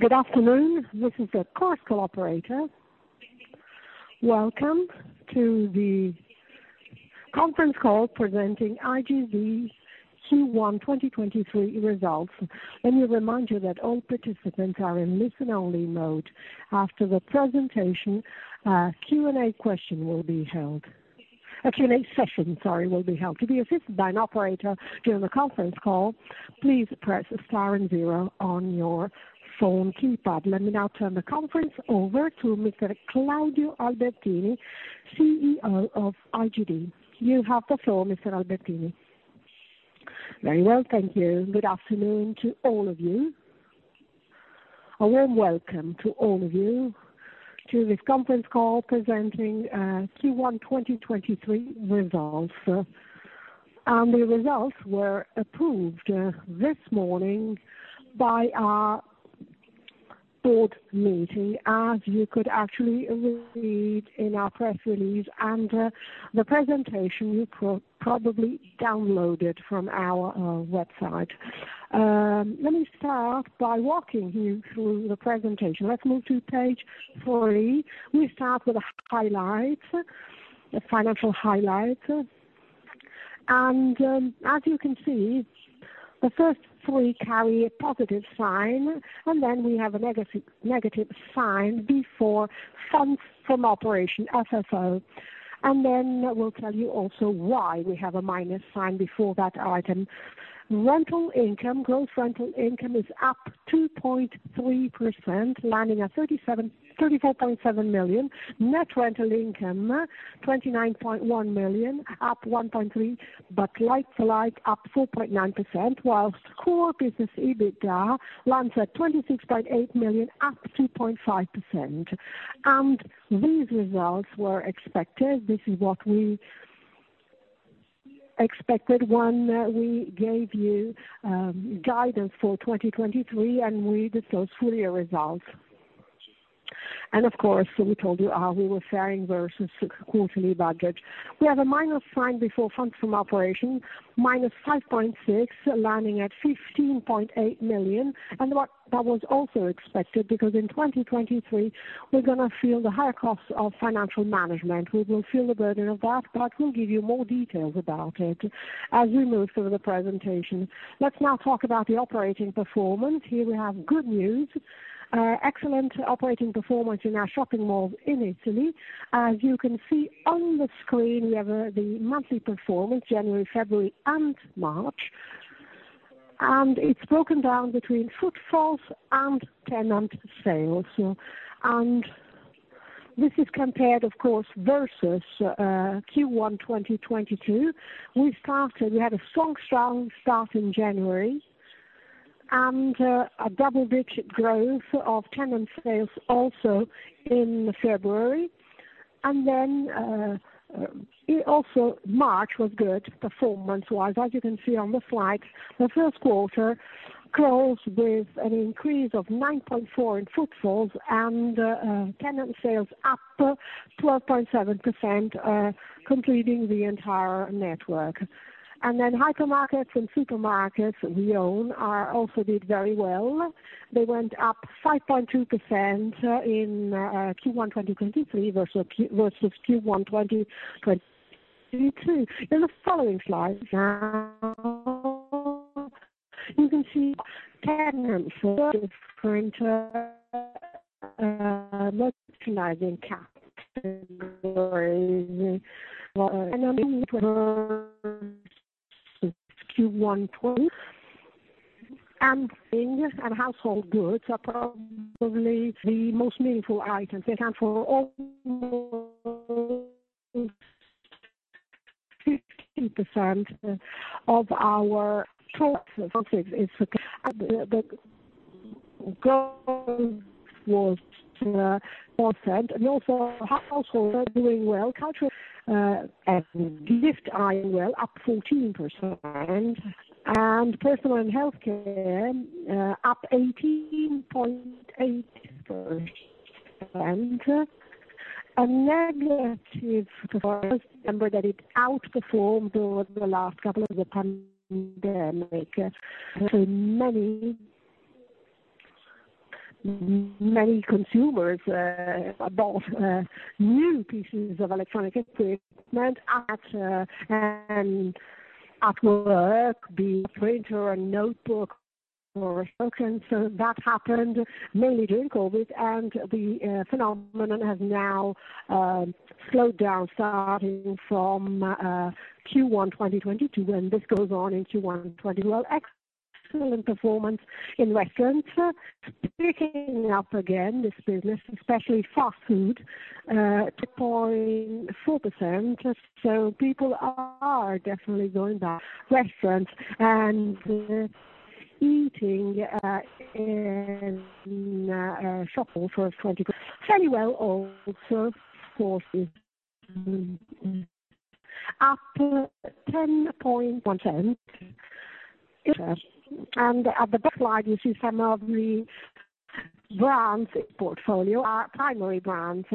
Good afternoon. This is the course operator. Welcome to the conference call presenting IGD's Q1 2023 results. Let me remind you that all participants are in listen only mode. After the presentation, a Q&A session, sorry, will be held. To be assisted by an operator during the conference call, please press star and zero on your phone keypad. Let me now turn the conference over to Mr. Claudio Albertini, CEO of IGD. You have the floor, Mr. Albertini. Very well. Thank you. Good afternoon to all of you. A warm welcome to all of you to this conference call presenting Q1 2023 results. The results were approved this morning by our board meeting, as you could actually read in our press release and the presentation you probably downloaded from our website. Let me start by walking you through the presentation. Let's move to page three. We start with the highlights, the financial highlights. As you can see, the first three carry a positive sign, then we have a negative sign before funds from operation, FFO. We'll tell you also why we have a minus sign before that item. Rental income, gross rental income is up 2.3%, landing at 34.7 million. Net rental income, 29.1 million, up 1.3%, Like-for-Like, up 4.9%, while core business EBITDA lands at 26.8 million, up 2.5%. These results were expected. This is what we expected when we gave you guidance for 2023, and we did those full year results. Of course, we told you how we were faring versus quarterly budget. We have a minus sign before funds from operation, -5.6, landing at 15.8 million. That was also expected because in 2023 we're gonna feel the higher cost of financial management. We will feel the burden of that, but we'll give you more details about it as we move through the presentation. Let's now talk about the operating performance. Here we have good news, excellent operating performance in our shopping malls in Italy. As you can see on the screen, we have the monthly performance, January, February and March, it's broken down between footfalls and tenant sales. This is compared, of course, versus Q1 2022. We had a strong start in January and a double-digit growth of tenant sales also in February. Then also March was good performance-wise. As you can see on the slide, the first quarter closed with an increase of 9.4 in footfalls, tenant sales up 12.7%, completing the entire network. Hypermarkets and supermarkets we own also did very well. They went up 5.2% in Q1 2023 versus Q1 2022. In the following slide, now you can see tenants for different merchandising categories. Q1 20. English and household goods are probably the most meaningful items. They count for over 15% of our total. Also household are doing well. Cultural and gift are well, up 14%. Personal and healthcare, up 18.8%. A negative for us, remember that it outperformed over the last couple of the pandemic. Many consumers bought new pieces of electronic equipment at work, be it printer, a notebook or a token. That happened mainly during Covid and the phenomenon has now slowed down starting from Q1 2022, and this goes on in Q1 20. Well, excellent performance in restaurants. Picking up again this business, especially fast food, 2.4%. People are definitely going back to restaurants and eating in a shopping for 20. Very well, also sports is up 10.1%. At the back slide you see some of the brands portfolio are primary brands.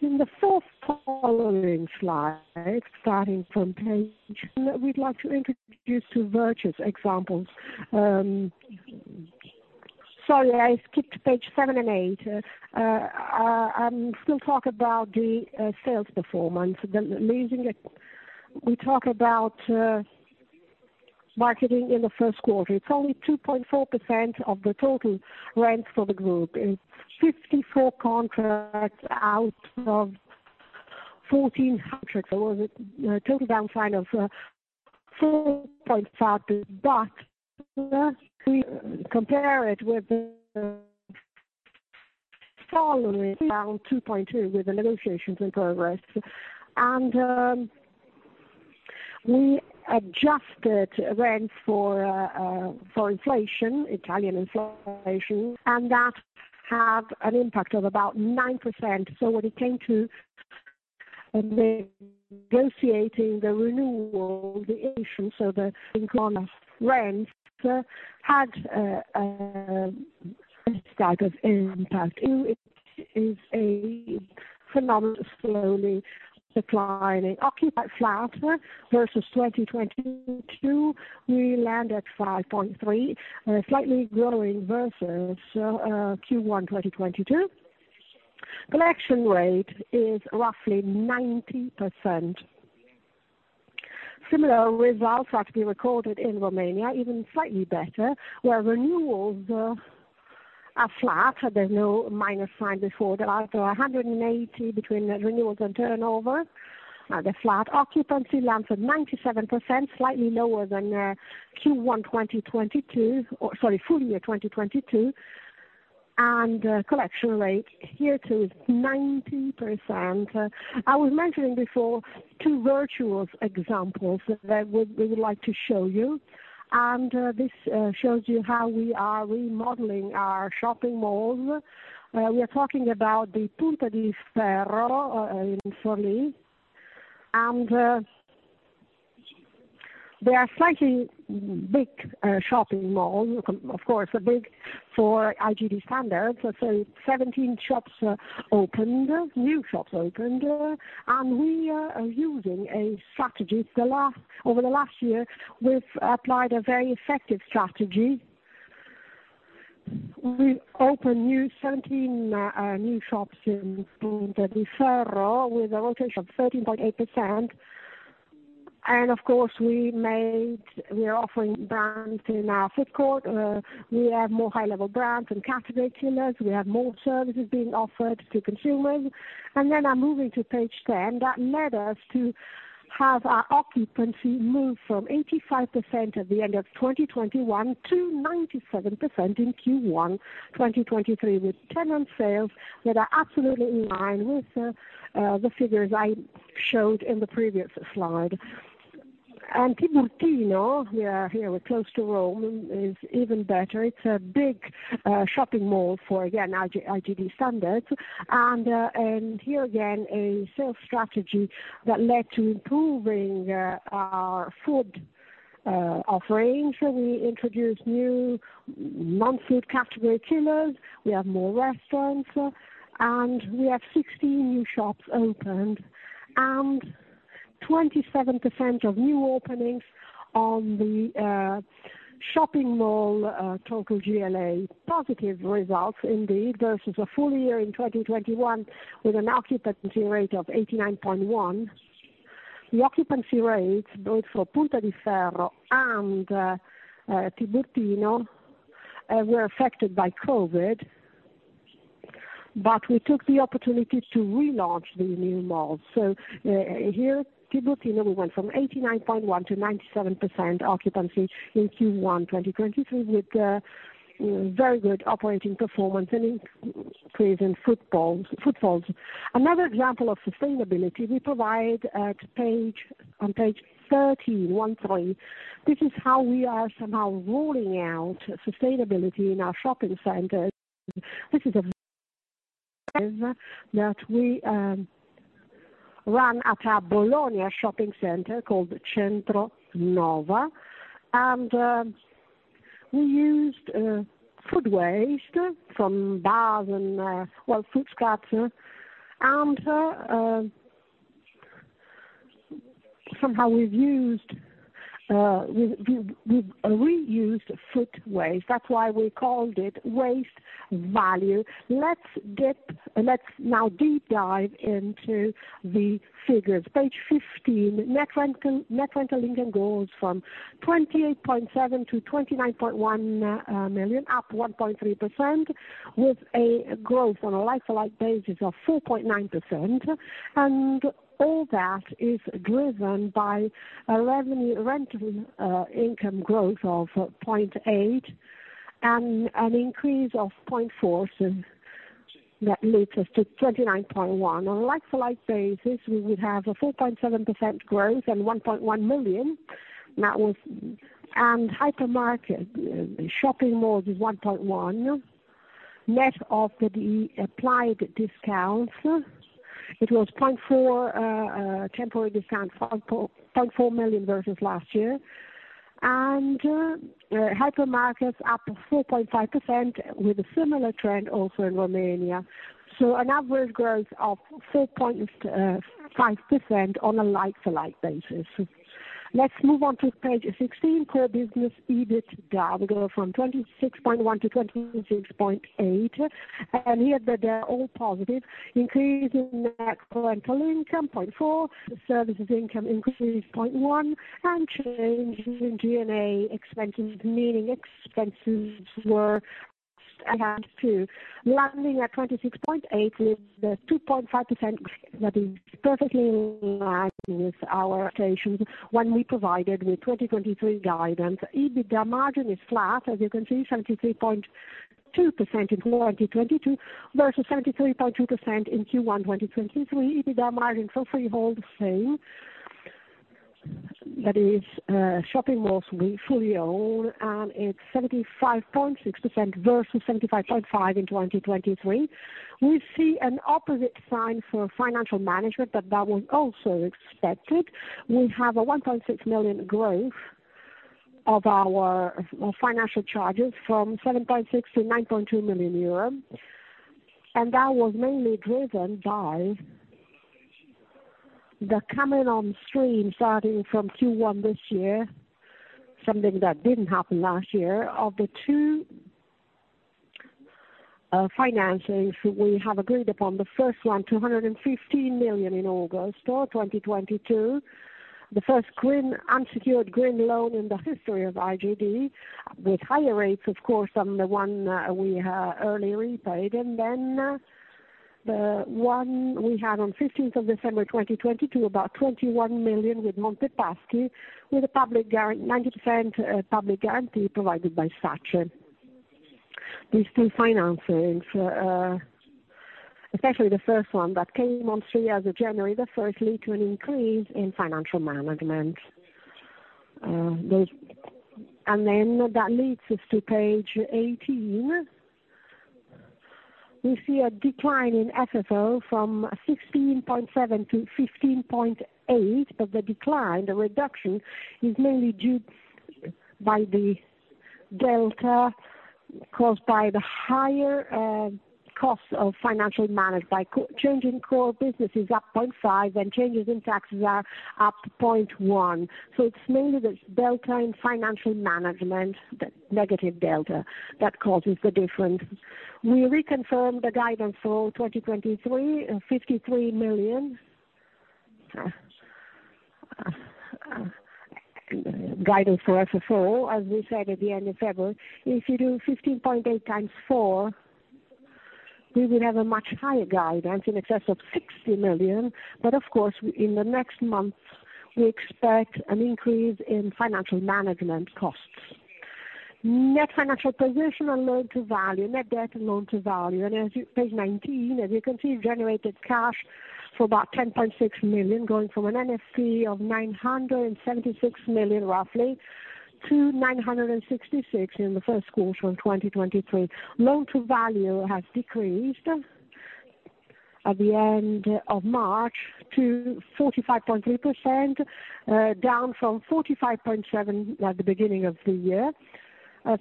In the first following slide, we'd like to introduce two virtuous examples. Sorry, I skipped page 7 and 8. I'm still talk about the sales performance. We talk about marketing in the first quarter. It's only 2.4% of the total rent for the group. It's 54 contracts out of 1,400. It was a total downside of 4.5%. We compare it with the following down 2.2% with the negotiations in progress. We adjusted rent for inflation, Italian inflation, and that have an impact of about 9%. When it came to negotiating the renewal, the issue, so the increase on our rent had a staggered impact. It is a phenomenal, slowly declining occupied flat versus 2022. We land at 5.3, slightly growing versus Q1 2022. Collection rate is roughly 90%. Similar results are to be recorded in Romania, even slightly better, where renewals are flat. There's no minus sign before the last 180 between renewals and turnover. They're flat. Occupancy lands at 97%, slightly lower than Q1 2022. Or sorry, full year 2022. Collection rate here, too, is 90%. I was mentioning before two virtuous examples that we would like to show you. This shows you how we are remodeling our shopping malls. We are talking about the Punta di Ferro in Forlì. They are slightly big shopping malls. Of course, big for IGD standards. Let's say 17 shops opened, new shops opened. We are using a strategy. Over the last year, we've applied a very effective strategy. We opened new 17 new shops in Punta di Ferro with a rotation of 13.8%. Of course, we are offering brands in our food court. We have more high-level brands and category killers. We have more services being offered to consumers. I'm moving to page 10. That led us to have our occupancy move from 85% at the end of 2021 to 97% in Q1 2023, with tenant sales that are absolutely in line with the figures I showed in the previous slide. Tiburtino here, we're close to Rome, is even better. It's a big shopping mall for, again, IGD standards. Here again, a sales strategy that led to improving our food offerings. We introduced new non-food category killers, we have more restaurants. We have 16 new shops opened and 27% of new openings on the shopping mall total GLA positive results indeed, versus a full year in 2021 with an occupancy rate of 89.1. The occupancy rates both for Punta di Ferro and Tiburtino were affected by COVID. We took the opportunity to relaunch the new malls. Here at Tiburtino, we went from 89.1 to 97% occupancy in Q1 2023, with very good operating performance and increase in footfalls. Another example of sustainability we provide on page 13. One point. This is how we are somehow rolling out sustainability in our shopping centers. This is a that we run at our Bologna shopping center called Centro Nova. We used food waste from bars and food scraps. Somehow we've reused food waste. That's why we called it Waste Value. Let's now deep dive into the figures. Page 15. Net rental income goes from 28.7 million to 29.1 million, up 1.3%, with a growth on a like-for-like basis of 4.9%. All that is driven by a rental income growth of 0.8% and an increase of 0.4% that leads us to 29.1 million. On a like-for-like basis, we would have a 4.7% growth and EUR 1.1 million. Hypermarket shopping malls is 1.1, net of the applied discounts. It was 0.4, temporary discount from 0.4 million versus last year. Hypermarkets up 4.5% with a similar trend also in Romania. An average growth of 4.5% on a Like-for-Like basis. Let's move on to page 16, core business EBITDA. We go from 26.1 to 26.8, and here that they're all positive, increasing the current income 0.4. The services income increase 0.1 and change in G&A expenses, meaning expenses were enhanced too. Landing at 26.8 with the 2.5% that is perfectly in line with our expectations when we provided the 2023 guidance. EBITDA margin is flat, as you can see, 73.2% in 2022 versus 73.2% in Q1 2023. EBITDA margin for freehold same. That is, shopping malls we fully own and it's 75.6% versus 75.5% in 2023. We see an opposite sign for financial management, that was also expected. We have a 1.6 million growth of our financial charges from 7.6 million to 9.2 million euro. That was mainly driven by the coming on stream starting from Q1 this year, something that didn't happen last year. Of the two financings we have agreed upon, the first one, 215 million in August of 2022. The first unsecured green loan in the history of IGD, with higher rates of course, than the one we had earlier repaid. The one we had on 15th of December 2022, about 21 million with Monte dei Paschi, with a public 90% public guarantee provided by SACE. These two financings, especially the first one that came on stream as of January the first, lead to an increase in financial management. That leads us to page 18. We see a decline in FFO from 16.7 to 15.8, but the decline, the reduction, is mainly due by the delta caused by the higher costs of financial by change core business is up 0.5, and changes in taxes are up 0.1. It's mainly the delta in financial management, the negative delta, that causes the difference. We reconfirm the guidance for 2023, EUR 53 million. guidance for FFO, as we said at the end of February, if you do 15.8 times 4, we will have a much higher guidance in excess of 60 million. Of course, in the next month we expect an increase in financial management costs. Net financial position and loan to value. Net debt and loan to value. As you page 19, as you can see, generated cash for about 10.6 million, going from an NFP of 976 million roughly to 966 million in the first quarter of 2023. Loan to Value has decreased at the end of March to 45.3%, down from 45.7% at the beginning of the year,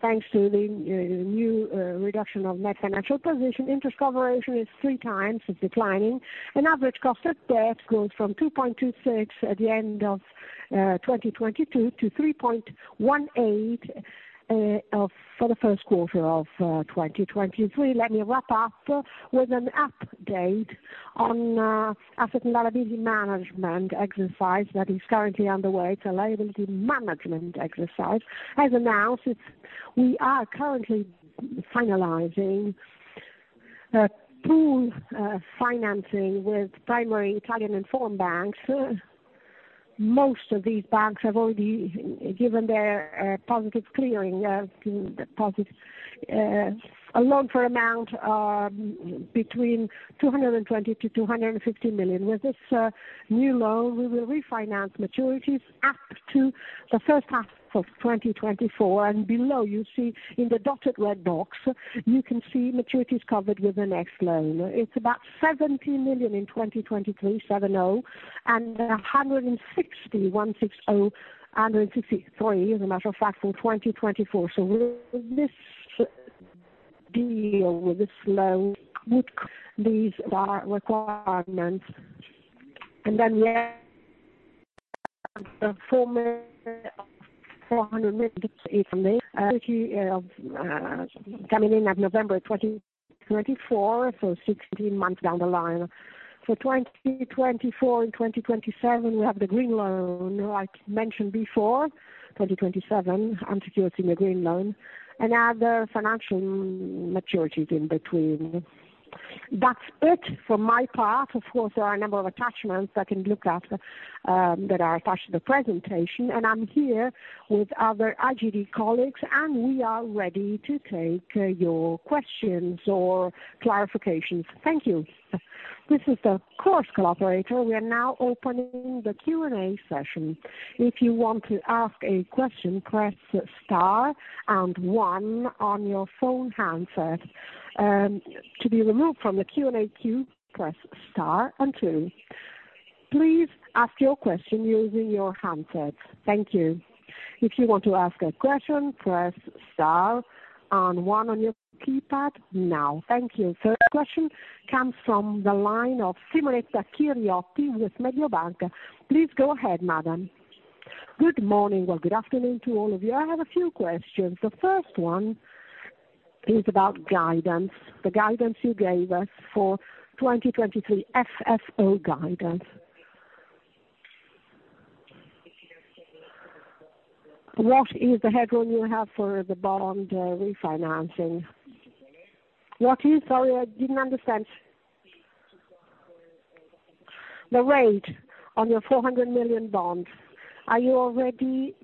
thanks to the new reduction of Net Financial Position. Interest Cover Ratio is 3 times, it's declining. Average cost of debt goes from 2.26% at the end of 2022 to 3.18% for the first quarter of 2023. Let me wrap up with an update on asset and liability management exercise that is currently underway. It's a liability management exercise. As announced, we are currently finalizing pool financing with primary Italian and foreign banks. Most of these banks have already given their positive clearing, positive a loan for amount between 220 million-250 million. With this new loan, we will refinance maturities up to the first half of 2024. Below you see in the dotted red box, you can see maturities covered with the next loan. It's about 70 million in 2023, 7-0, and 160 million, 1-6-0, 163 million as a matter of fact, from 2024. With this deal, with this loan, would these are requirements. Then we have a former 400 million coming in at November 2024, so 16 months down the line. For 2024 and 2027, we have the green loan, like mentioned before, 2027, unsecured senior green loan, and other financial maturities in between. That's it from my part. Of course, there are a number of attachments that can look at, that are attached to the presentation, and I'm here with other IGD colleagues, and we are ready to take your questions or clarifications. Thank you. This is the conference operator. We are now opening the Q&A session. If you want to ask a question, press star and one on your phone handset. To be removed from the Q&A queue, press star and two. Please ask your question using your handset. Thank you. If you want to ask a question, press star and one on your keypad now. Thank you. Third question comes from the line of Simonetta Chiriotti with Mediobanca. Please go ahead, madam. Good morning, well, good afternoon to all of you. I have a few questions. The first one is about guidance, the guidance you gave us for 2023 FFO guidance. What is the headroom you have for the bond refinancing? What is? Sorry, I didn't understand. The rate on your 400 million bonds. Are you already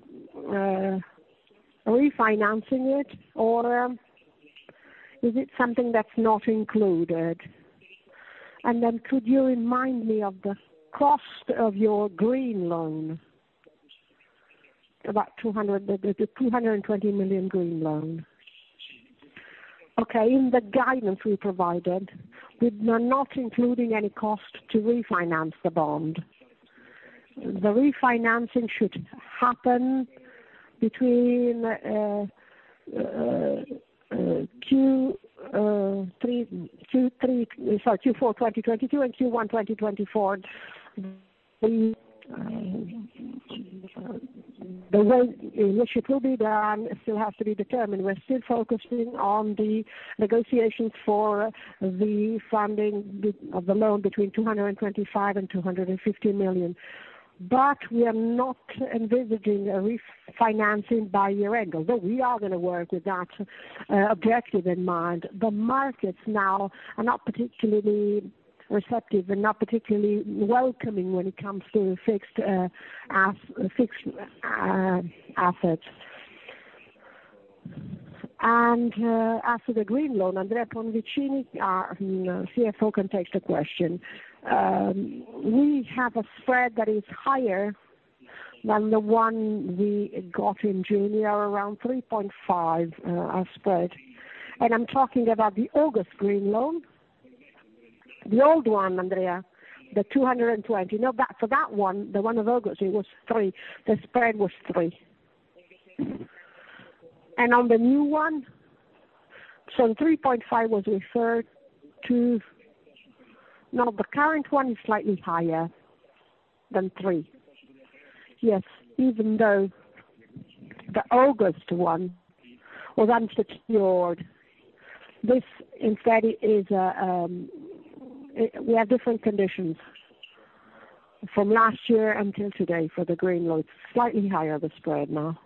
refinancing it or is it something that's not included? Could you remind me of the cost of your green loan? About 220 million green loan. Okay. In the guidance we provided, we are not including any cost to refinance the bond. The refinancing should happen between Q4 2022 and Q1 2024. The way in which it will be done still has to be determined. We're still focusing on the negotiations for the funding of the loan between 225 million and 250 million. We are not envisaging a refinancing by year-end, although we are going to work with that objective in mind. The markets now are not particularly receptive and not particularly welcoming when it comes to fixed assets. As for the green loan, Andrea Bonvicini, our CFO, can take the question. We have a spread that is higher than the one we got in June. We are around 3.5 spread, and I'm talking about the August green loan. The old one, Andrea, the 220. No, for that one, the one of August, it was 3. The spread was 3. On the new one? 3.5 was referred to. The current one is slightly higher than 3. Yes. Even though the August one was unsecured, this instead is, we have different conditions from last year until today for the green loans, slightly higher the spread now.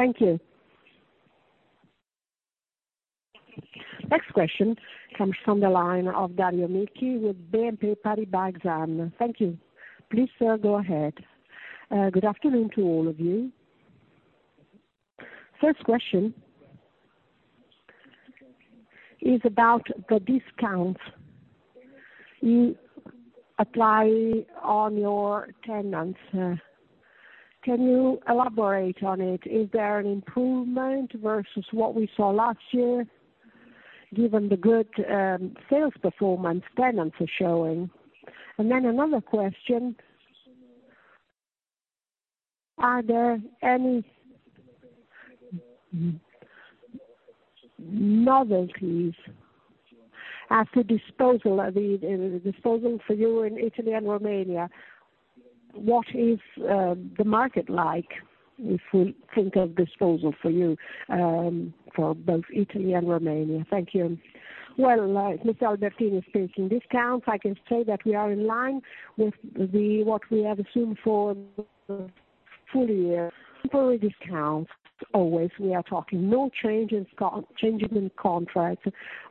Thank you. Next question comes from the line of Davide Abate with BNP Paribas Exane. Thank you. Please, sir, go ahead. Good afternoon to all of you. First question is about the discounts you apply on your tenants. Can you elaborate on it? Is there an improvement versus what we saw last year, given the good sales performance tenants are showing? Another question, are there any novelties at the disposal for you in Italy and Romania? What is the market like if we think of disposal for you for both Italy and Romania? Thank you. Mr. Claudio Albertini speaking, discounts, I can say that we are in line with the what we have assumed for the full year. Temporary discounts, always, we are talking no changes in contract.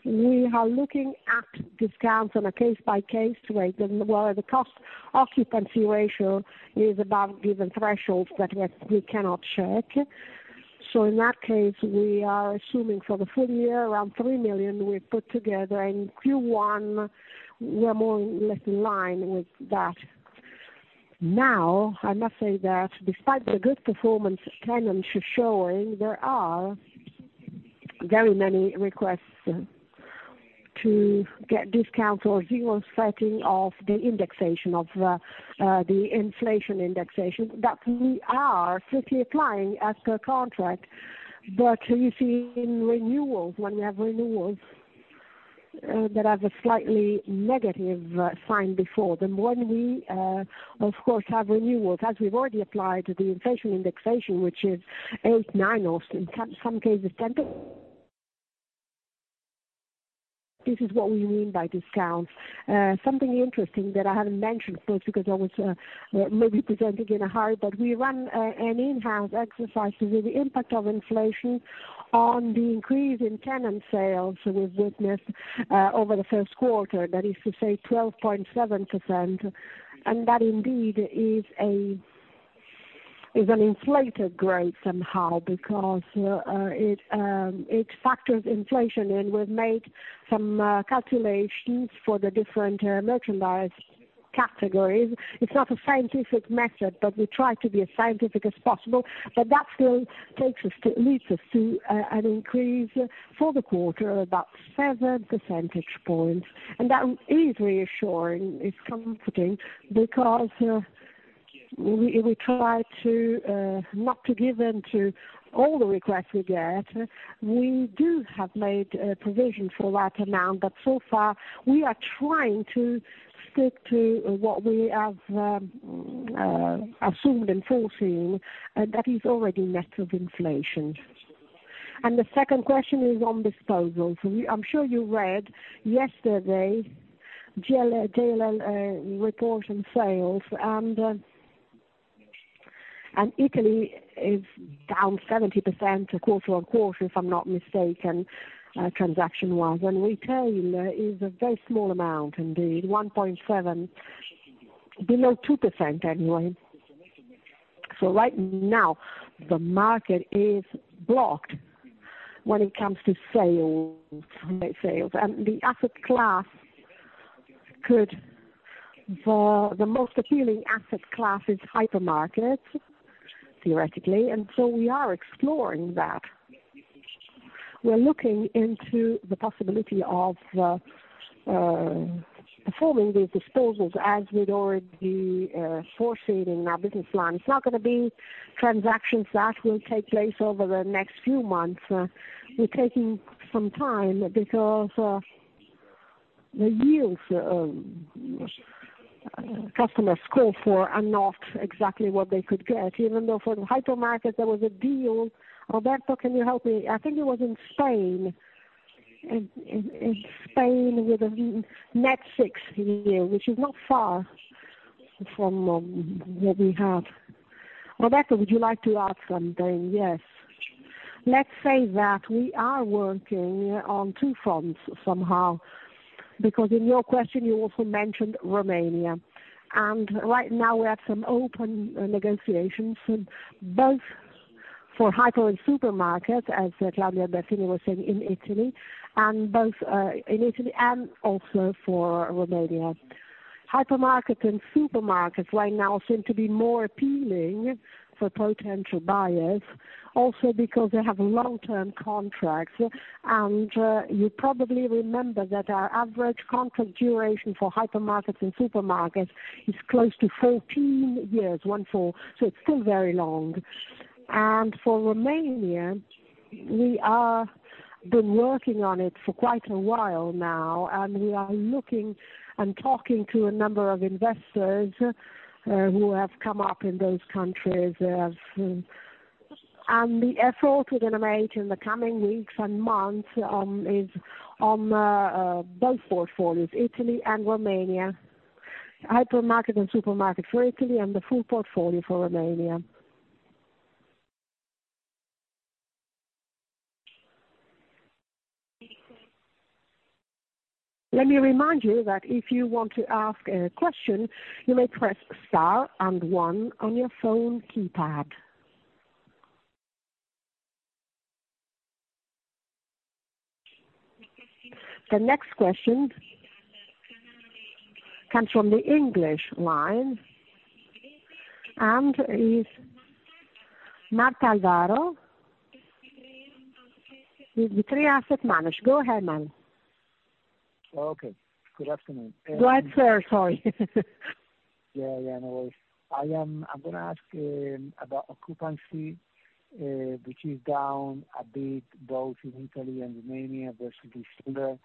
We are looking at discounts on a case-by-case rate, and where the Occupancy Cost Ratio is above given thresholds that we have, we cannot check. In that case, we are assuming for the full year around 3 million we put together. In Q1, we are more or less in line with that. I must say that despite the good performance tenants are showing, there are very many requests to get discounts or zero setting of the indexation of the inflation indexation, that we are strictly applying as per contract. You see in renewals, when we have renewals that have a slightly negative sign before them, when we, of course, have renewals, as we've already applied the inflation indexation, which is 8, 9 or in some cases 10%. This is what we mean by discounts. Something interesting that I hadn't mentioned, of course, because I was maybe presenting in a hurry, but we ran an in-house exercise to see the impact of inflation on the increase in tenant sales we've witnessed over the first quarter. That is to say 12.7%, and that indeed is an inflated growth somehow because it factors inflation in. We've made some calculations for the different merchandise categories. It's not a scientific method, but we try to be as scientific as possible. That still leads us to an increase for the quarter about 7 percentage points. That is reassuring. It's comforting because we try to not to give in to all the requests we get. We do have made provision for that amount, so far, we are trying to stick to what we have assumed and foreseen, and that is already net of inflation. The second question is on disposals. I'm sure you read yesterday JLL report on sales and Italy is down 70% quarter-on-quarter, if I'm not mistaken, transaction-wise. Retail is a very small amount indeed, 1.7, below 2% anyway. Right now, the market is blocked when it comes to sales. The asset class could... for the most appealing asset class is hypermarket, theoretically. So we are exploring that. We're looking into the possibility of performing these disposals as we'd already foreseen in our business plan. It's not gonna be transactions that will take place over the next few months. We're taking some time because the yields customers call for are not exactly what they could get. Even though for the hypermarket, there was a deal. Roberto, can you help me? I think it was in Spain, in Spain with a net 6 yield, which is not far from what we have. Roberto, would you like to add something? Yes. Let's say that we are working on 2 fronts somehow, because in your question, you also mentioned Romania. Right now we have some open negotiations both for hyper and supermarket, as Claudio Albertini was saying in Italy, and both in Italy and also for Romania. Hypermarket and supermarket right now seem to be more appealing for potential buyers, also because they have long-term contracts. You probably remember that our average contract duration for hypermarkets and supermarkets is close to 14 years, so it's still very long. For Romania, we are-- been working on it for quite a while now, and we are looking and talking to a number of investors who have come up in those countries. They have... The effort we're gonna make in the coming weeks and months is on both portfolios, Italy and Romania. Hypermarket and supermarket for Italy and the full portfolio for Romania. Let me remind you that if you want to ask a question, you may press star and one on your phone keypad. The next question comes from the English line and is Marta Alvaro with Victrix Asset Management. Go ahead, ma'am. Okay. Good afternoon. Go ahead, sir. Sorry. Yeah, yeah, no worries. I'm gonna ask about occupancy, which is down a bit, both in Italy and Romania versus this year.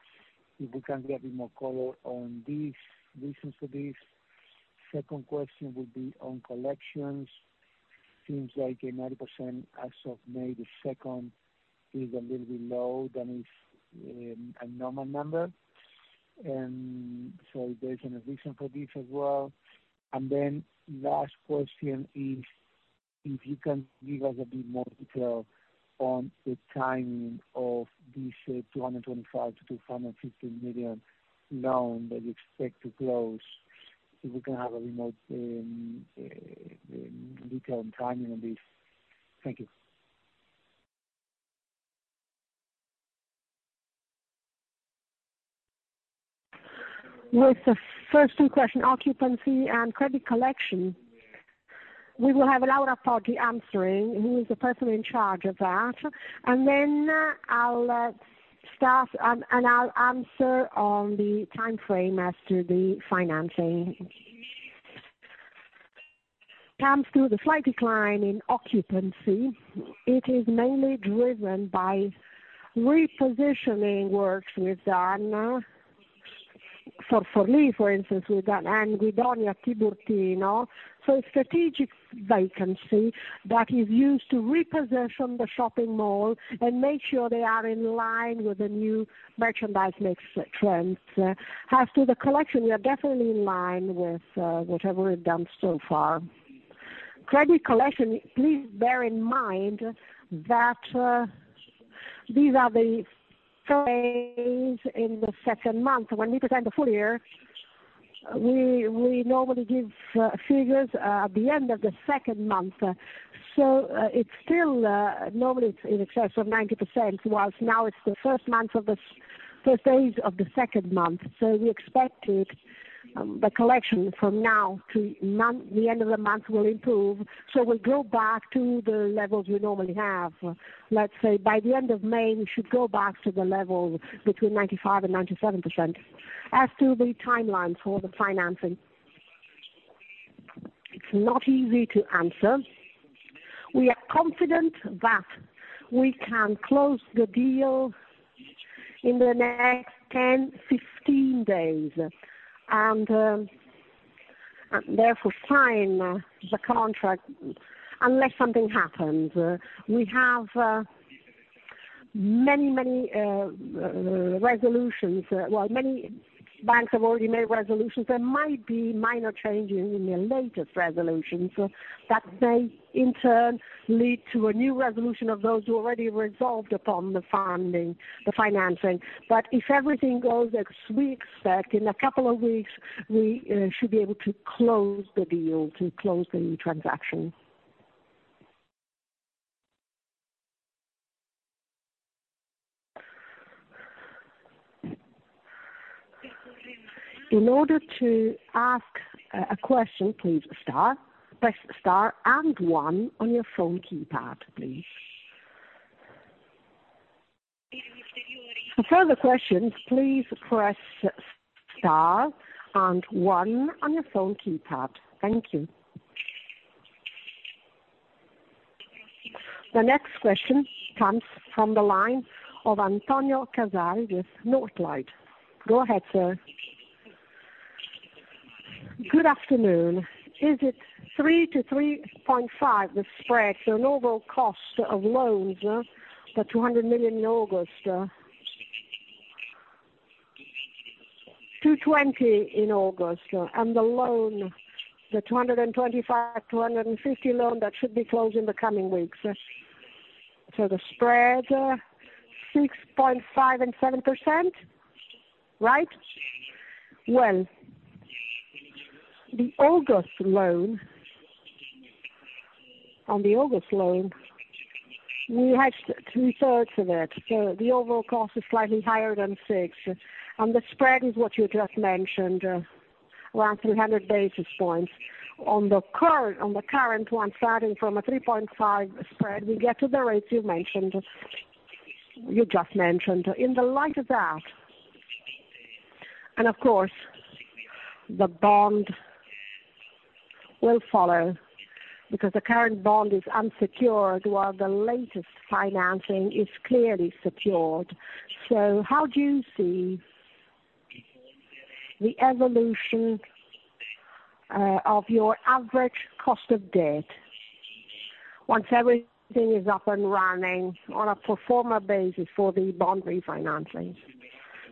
If we can get a bit more color on this, reasons for this. Second question would be on collections. Seems like 90% as of May the 2nd is a little bit low than is a normal number. If there's any reason for this as well. Last question is if you can give us a bit more detail on the timing of this 225 million-250 million loan that you expect to close. If we can have a bit more detail and timing on this. Thank you. With the first two question, occupancy and credit collection, we will have Laura Poggi answering, who is the person in charge of that. Then I'll start and I'll answer on the timeframe as to the financing. Comes to the slight decline in occupancy. It is mainly driven by repositioning works we've done. Forli, for instance, we've done, and Guidonia Tiburtino. Strategic vacancy that is used to reposition the shopping mall and make sure they are in line with the new merchandise mix trends. As to the collection, we are definitely in line with what have we've done so far. Credit collection, please bear in mind that these are the first days in the second month. When we present the full year, we normally give figures at the end of the second month. It's still normally it's in excess of 90%, whilst now it's the first days of the second month. We expect The collection from now to the end of the month will improve, so we'll go back to the levels we normally have. Let's say by the end of May, we should go back to the level between 95%-97%. As to the timeline for the financing, it's not easy to answer. We are confident that we can close the deal in the next 10-15 days, and therefore sign the contract unless something happens. We have many resolutions. Well, many banks have already made resolutions. There might be minor changes in their latest resolution. That may in turn lead to a new resolution of those who already resolved upon the funding, the financing. If everything goes as we expect, in a couple of weeks, we should be able to close the deal, to close the transaction. In order to ask a question, please press star and one on your phone keypad, please. For further questions, please press star and one on your phone keypad. Thank you. The next question comes from the line of Antonio Casali with Northlight. Go ahead, sir. Good afternoon. Is it 3-3.5 the spread, so an overall cost of loans, the 200 million in August, 220 million in August, and the 225 million-250 million loan that should be closed in the coming weeks? The spread, 6.5% and 7%, right? Well, the August loan, we had two-thirds of it. The overall cost is slightly higher than 6%. The spread is what you just mentioned, around 300 basis points. On the current one, starting from a 3.5 spread, we get to the rates you just mentioned. In the light of that, of course, the bond will follow because the current bond is unsecured while the latest financing is clearly secured. How do you see the evolution of your average cost of debt once everything is up and running on a performer basis for the bond refinancing?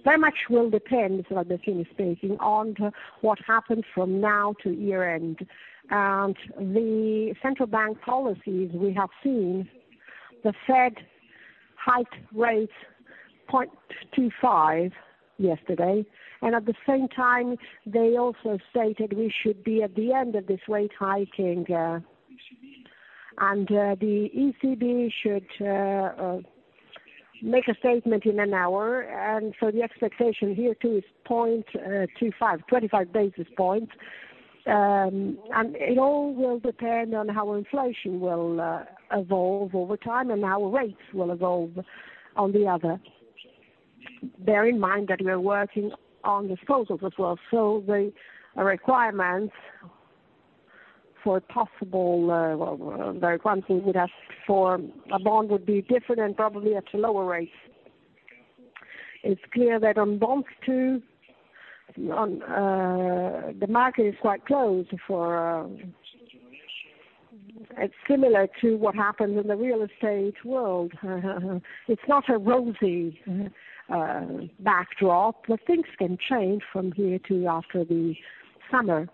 Very much will depend, as I've been speaking, on what happens from now to year-end. The central bank policies we have seen, the Fed hiked rates 0.25 yesterday, at the same time, they also stated we should be at the end of this rate hiking, and the ECB should make a statement in an hour. The expectation here too is 0.25 basis points. It all will depend on how inflation will evolve over time and how rates will evolve on the other. Bear in mind that we are working on disposals as well. The requirements for possible, the requirements we'd ask for a bond would be different and probably at a lower rate. It's clear that on bonds too, the market is quite closed for. It's similar to what happened in the real estate world. It's not a rosy backdrop. Things can change from here to after the summer.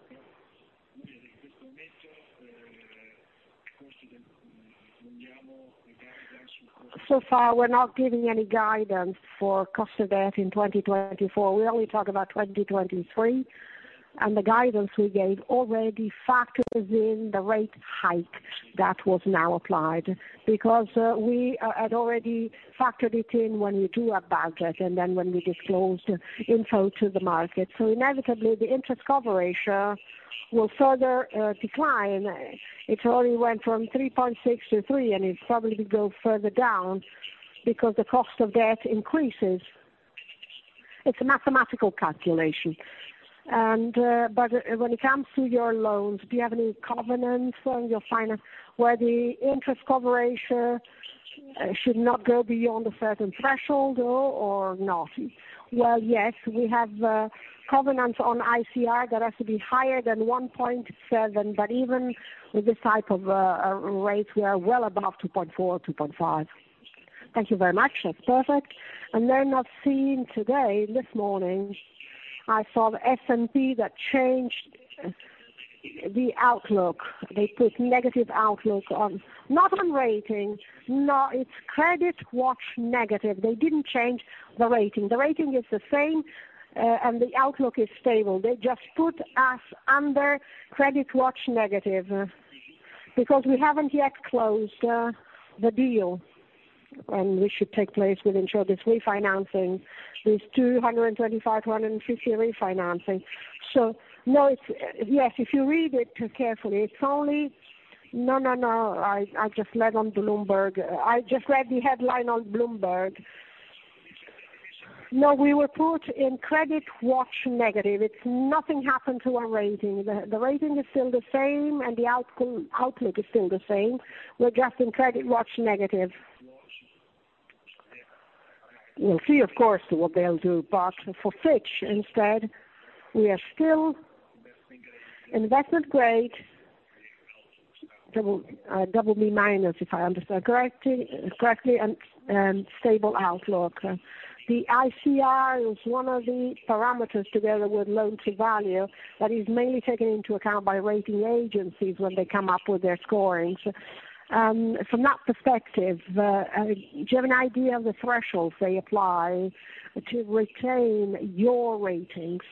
So far we're not giving any guidance for cost of debt in 2024. We only talk about 2023. The guidance we gave already factors in the rate hike that was now applied because we had already factored it in when we drew our budget and then when we disclosed info to the market. Inevitably the Interest Coverage Ratio will further decline. It already went from 3.6 to 3. It probably will go further down because the cost of debt increases. It's a mathematical calculation. When it comes to your loans, do you have any covenants on your finance where the Interest Coverage Ratio should not go beyond a certain threshold or not? Yes, we have a covenant on ICR that has to be higher than 1.7, but even with this type of rate, we are well above 2.4-2.5. Thank you very much. That's perfect. I've seen today, this morning, I saw the S&P that changed the outlook. They put negative outlook. Not on rating. It's CreditWatch Negative. They didn't change the rating. The rating is the same, and the outlook is stable. They just put us under CreditWatch Negative because we haven't yet closed the deal. Which should take place within short this refinancing, this 225-150 refinancing. Yes, if you read it carefully. No, no. I just read on Bloomberg. I just read the headline on Bloomberg. No, we were put in CreditWatch Negative. It's nothing happened to our rating. The rating is still the same and the outlook is still the same. We're just in CreditWatch Negative. We'll see, of course, what they'll do, but for Fitch, instead, we are still investment grade BB-, if I understand correctly, and stable outlook. The ICR is one of the parameters, together with Loan to Value, that is mainly taken into account by rating agencies when they come up with their scorings. From that perspective, do you have an idea of the thresholds they apply to retain your ratings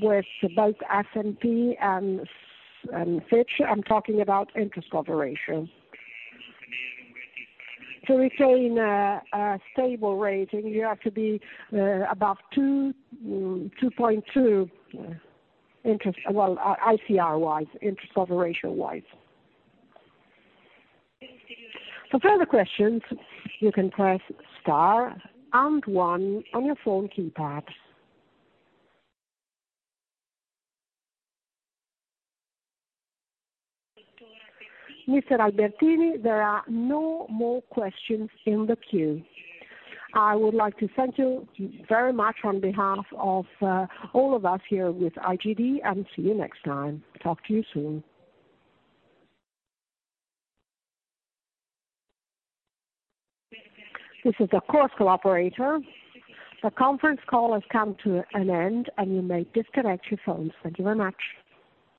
with both S&P and Fitch? I'm talking about Interest Coverage Ratio. To retain a stable rating, you have to be above 2.2. Well, ICR wise, Interest Coverage Ratio wise. For further questions, you can press star and one on your phone keypad. Mr. Albertini, there are no more questions in the queue. I would like to thank you very much on behalf of all of us here with IGD and see you next time. Talk to you soon. This is the course collaborator. The conference call has come to an end, and you may disconnect your phones. Thank you very much.